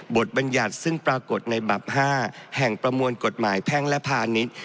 บัญญัติซึ่งปรากฏในบับ๕แห่งประมวลกฎหมายแพ่งและพาณิชย์